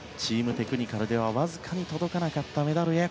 テクニカルではわずかに届かなかったメダルへ。